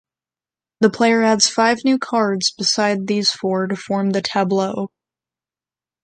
The player adds five new cards beside these four to form the "tableau".